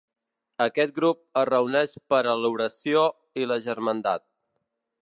Aquest grup es reuneix per a l'oració i la germandat.